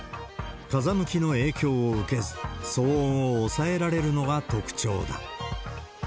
風向きの影響を受けず、騒音を抑えられるのが特徴だ。